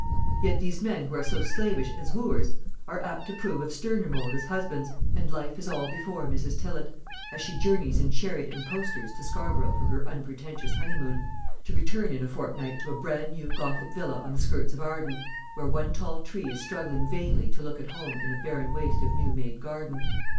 Yet these men who are so slavish as wooers are apt to prove of sterner mould as husbands, and life is all before Mrs. Tillott, as she journeys in chariot and posters to Scarborough for her unpretentious honeymoon, to return in a fortnight to a bran new gothic villa on the skirts of Arden, where one tall tree is struggling vainly to look at home in a barren waste of new made garden.